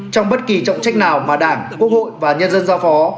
trong bất kỳ trọng trách nào mà đảng quốc hội và nhân dân giao phó